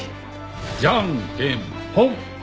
じゃんけんぽん！